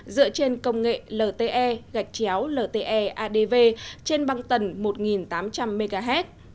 dựa trên công nghệ lte lte adv trên băng tầng một tám trăm linh mhz